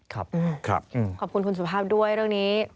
ขอบคุณคุณสุภาพด้วยเรื่องนี้